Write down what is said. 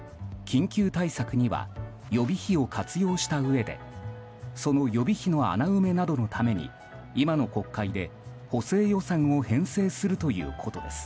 緊急対策には予備費を活用したうえでその予備費の穴埋めなどのために今の国会で補正予算を編成するということです。